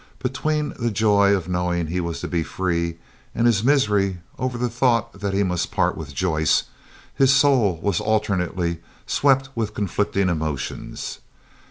Between the joy of knowing he was to be free and his misery over the thought that he must part with Joyce, his soul was alternately swept with conflicting emotions.